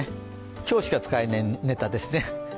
今日しか使えないネタですね。